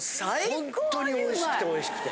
ほんとにおいしくておいしくて。